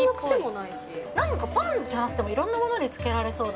なんかパンじゃなくてもいろんなものにつけられそう。